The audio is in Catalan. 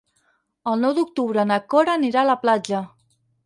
El nou d'octubre na Cora anirà a la platja.